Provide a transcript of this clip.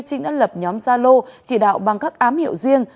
trinh đã lập nhóm gia lô chỉ đạo bằng các ám hiệu riêng